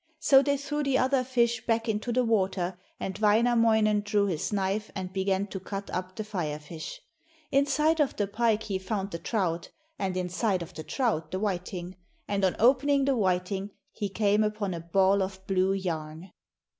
So they threw the other fish back into the water, and Wainamoinen drew his knife and began to cut up the Fire fish. Inside of the pike he found the trout, and inside of the trout the whiting, and on opening the whiting he came upon a ball of blue yarn.